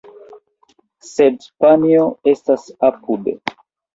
Sed panjo estas apude.